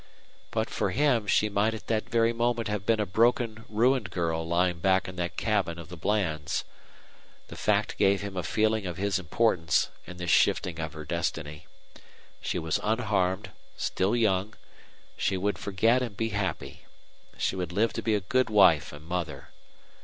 But for him she might at that very moment have been a broken, ruined girl lying back in that cabin of the Blands'. The fact gave him a feeling of his importance in this shifting of her destiny. She was unharmed, still young; she would forget and be happy; she would live to be a good wife and mother.